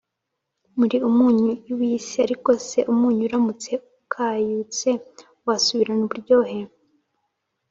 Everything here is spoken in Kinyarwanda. Muri umunyu i w isi Ariko se umunyu uramutse ukayutse wasubirana uburyohe